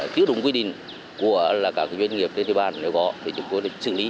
chứ đúng quy định của các doanh nghiệp tên tư bản nếu gõ để chúng tôi xử lý